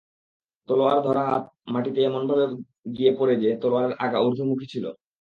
তলোয়ার ধরা হাত মাটিতে এমনভাবে গিয়ে পড়ে যে, তলোয়ারের আগা উর্ধ্বমুখী ছিল।